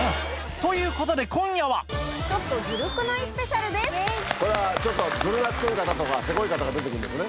ということで今夜はこれはちょっとずる賢い方とかせこい方が出て来んですね。